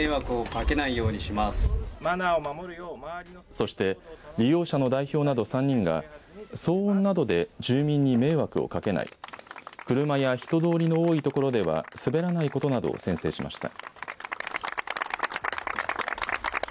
そして利用者の代表など３人が騒音などで住民に迷惑をかけない車や人通りの多い所ではすべらないことなどを宣誓しました。